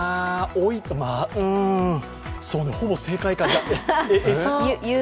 うん、ほぼ正解か。